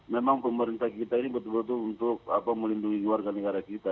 memang pemerintah kita ini betul betul untuk melindungi warga negara kita